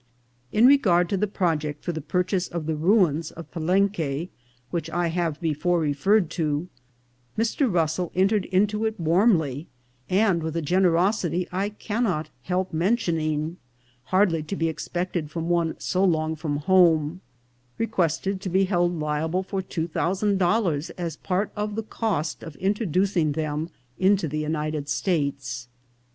In regard to the project for the purchase of the ruins of Palenque, which I have before referred to, Mr. Rus sell entered into it warmly ; and with a generosity I can not help mentioning, hardly to be expected from one so long from home, requested to be held liable for two thousand dollars as part of the cost of introducing them into the United States.